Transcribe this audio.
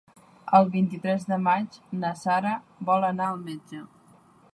El vint-i-tres de maig na Sara vol anar al metge.